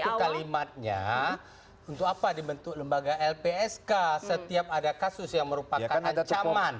itu kalimatnya untuk apa dibentuk lembaga lpsk setiap ada kasus yang merupakan ancaman